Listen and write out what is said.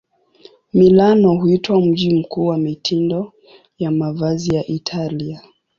Milano huitwa mji mkuu wa mitindo ya mavazi ya Italia.